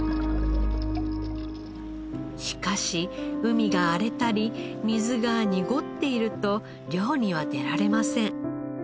しかし海が荒れたり水が濁っていると漁には出られません。